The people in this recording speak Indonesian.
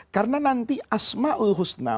karena nanti asma'ul husna